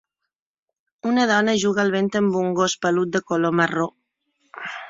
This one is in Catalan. Una dona juga al vent amb un gos pelut de color marró